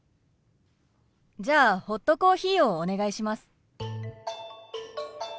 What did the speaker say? じゃあホットコーヒーをお願いします。